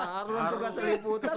haruan tugas liputan